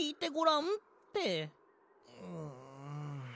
うん。